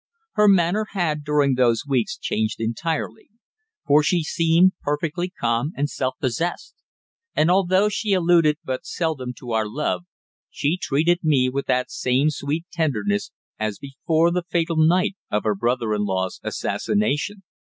Her manner had during those weeks changed entirely; for she seemed perfectly calm and self possessed, and although she alluded but seldom to our love, she treated me with that same sweet tenderness as before the fatal night of her brother in law's assassination.